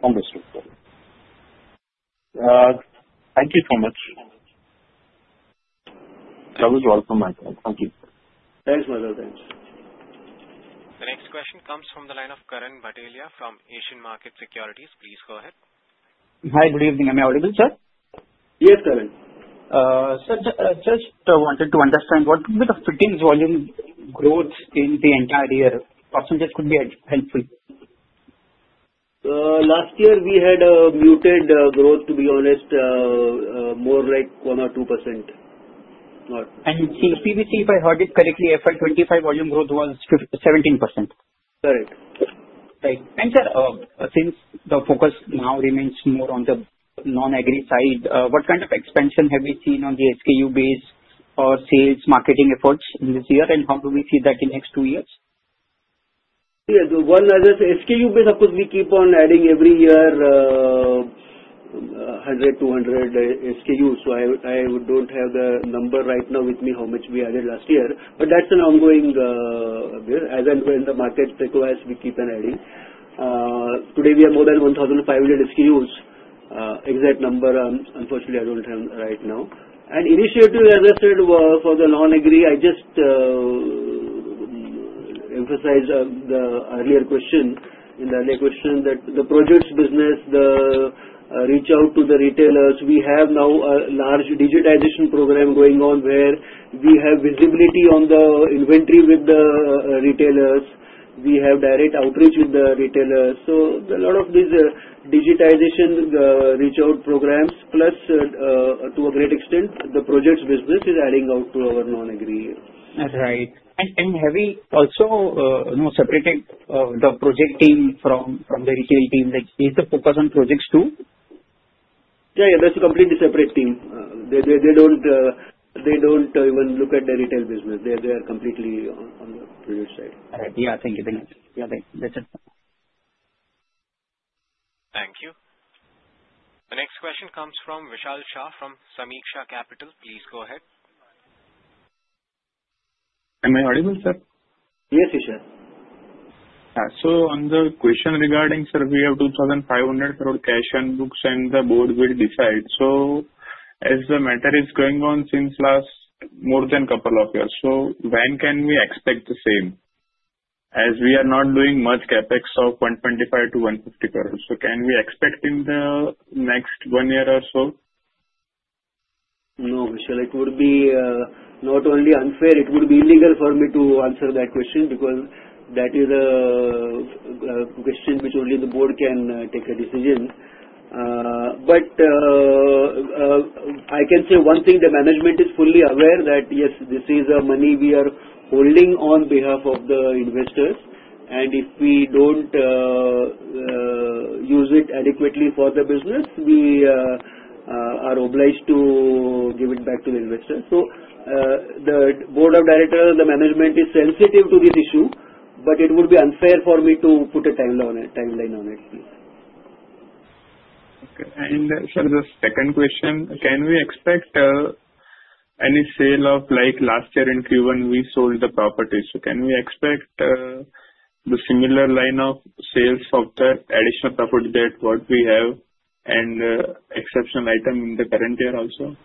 Understood. Thank you so much. That was all from my side. Thank you. Thanks, Madhav. Thanks. The next question comes from the line of Karan Bhatelia from Asian Market Securities. Please go ahead. Hi. Good evening. Am I audible, sir? Yes, Karan. Sir, just wanted to understand what would be the fitting volume growth in the entire year? Percentage could be helpful. Last year, we had muted growth, to be honest, more like 1 or 2%. PVC, if I heard it correctly, FY25 volume growth was 17%. Correct. Right. And sir, since the focus now remains more on the non-agri side, what kind of expansion have we seen on the SKU-based or sales marketing efforts this year, and how do we see that in the next two years? Yeah. So one other SKU-based, of course, we keep on adding every year 100-200 SKUs. I don't have the number right now with me how much we added last year, but that's an ongoing as and when the market requires, we keep on adding. Today, we have more than 1,500 SKUs. Exact number, unfortunately, I don't have right now. An initiative, as I said, for the non-agri, I just emphasized the earlier question in the earlier question that the projects business, the reach out to the retailers. We have now a large digitization program going on where we have visibility on the inventory with the retailers. We have direct outreach with the retailers. A lot of these digitization reach-out programs, plus to a great extent, the projects business is adding out to our non-agri. That's right. Have we also separated the project team from the retail team? Is the focus on projects too? Yeah. Yeah. That's a completely separate team. They don't even look at the retail business. They are completely on the project side. All right. Yeah. Thank you. Thank you. Yeah. Thanks. That's it. Thank you. The next question comes from Vishal Shah from Sameek Shah Capital. Please go ahead. Am I audible, sir? Yes, sir. Yeah. On the question regarding, sir, we have 2,500 crore cash on books and the board will decide. As the matter is going on since last more than a couple of years, when can we expect the same? As we are not doing much CapEx of 125-150 crore, can we expect in the next one year or so? No, Vishal. It would be not only unfair, it would be illegal for me to answer that question because that is a question which only the board can take a decision. I can say one thing, the management is fully aware that, yes, this is money we are holding on behalf of the investors. If we do not use it adequately for the business, we are obliged to give it back to the investors. The board of directors, the management is sensitive to this issue, but it would be unfair for me to put a timeline on it. Okay. Sir, the second question, can we expect any sale of last year in Q1? We sold the properties. Can we expect the similar line of sales of the additional property that what we have and exceptional item in the current year also?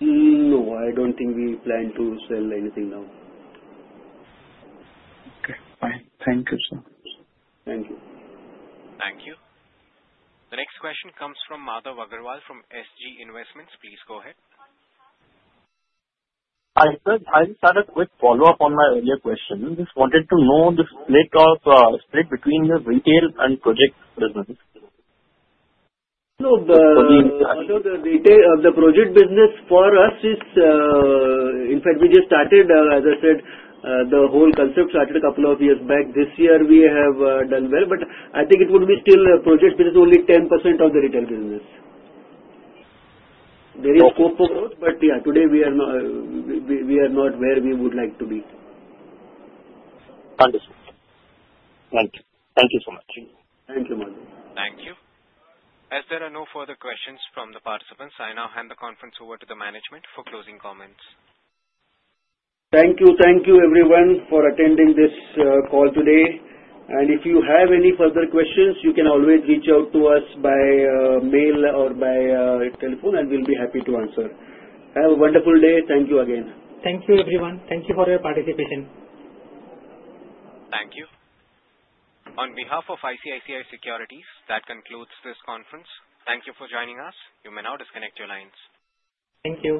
No. I don't think we plan to sell anything now. Okay. Fine. Thank you, sir. Thank you. Thank you. The next question comes from Madhav Agarwal from SG Investments. Please go ahead. Hi, sir. I just had a quick follow-up on my earlier question. Just wanted to know the split between the retail and project business. The project business for us is, in fact, we just started, as I said, the whole concept started a couple of years back. This year, we have done well, but I think it would be still project business only 10% of the retail business. There is scope for growth, but yeah, today we are not where we would like to be. Understood. Thank you. Thank you so much. Thank you, Madhav. Thank you. As there are no further questions from the participants, I now hand the conference over to the management for closing comments. Thank you. Thank you, everyone, for attending this call today. If you have any further questions, you can always reach out to us by mail or by telephone, and we'll be happy to answer. Have a wonderful day. Thank you again. Thank you, everyone. Thank you for your participation. Thank you. On behalf of ICICI Securities, that concludes this conference. Thank you for joining us. You may now disconnect your lines. Thank you.